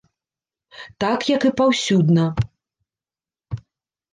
Так як і паўсюдна.